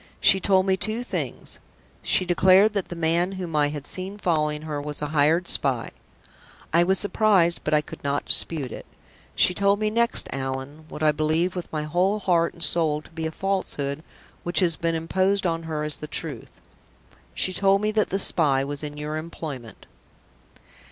She told me two things. She declared that the man whom I had seen following her was a hired spy. I was surprised, but I could not dispute it. She told me next, Allan what I believe with my whole heart and soul to be a falsehood which has been imposed on her as the truth she told me that the spy was in your employment!"